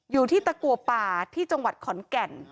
อยู่ที่ตะกัวป่าที่จังหวัดขอนแก่น